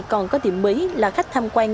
còn có tiệm mới là khách tham quan